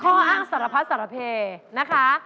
ข้ออ้างสารพัดสารเพนะคะ